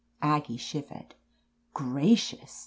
Aggie shivered. "Gracious!"